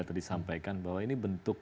tadi sampaikan bahwa ini bentuk